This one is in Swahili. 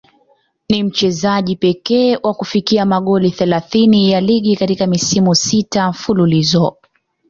Ni mchezaji pekee wa kufikia magoli thelathini ya ligi katika misimu sita mfululizo